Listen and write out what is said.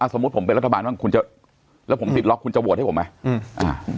สมมุติผมเป็นรัฐบาลบ้างแล้วผมติดล็อคคุณจะโหวตให้ผมไหม